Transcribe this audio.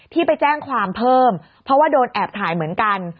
ที่ไปแจ้งความเพิ่มเพราะว่าโดนแอบถ่ายเหมือนกัน